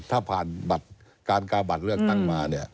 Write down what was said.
ถ้าผ่านการกาบัตรเลือกตั้งมา